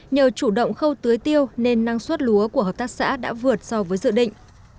nhờ chủ động khâu tưới tiêu nên năng suất lúa của hợp tác xã đã vượt so với dự định